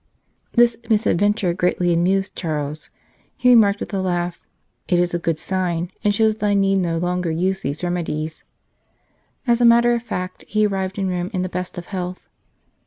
This misadventure greatly amused 99 St. Charles Borromeo Charles. He remarked, with a laugh :" It is a good sign, and shows that I need no longer use these remedies." As a matter of fact, he arrived in Rome in the best of health.